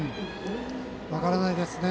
分からないですね。